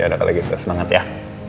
ya udah kali gitu semangat ya